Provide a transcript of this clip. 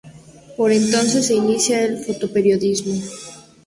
Por entonces se inicia el fotoperiodismo.